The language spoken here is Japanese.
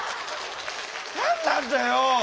何なんだよ！